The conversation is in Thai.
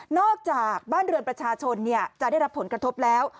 อกจากบ้านเรือนประชาชนจะได้รับผลกระทบแล้ว